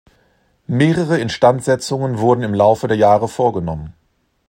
Mehrere Instandsetzungen wurden im Laufe der Jahre vorgenommen.